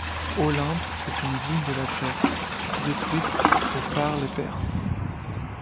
Olynthe est une ville de la Grèce qui fut détruite au par les Perses.